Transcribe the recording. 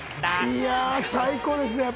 いや、最高ですね！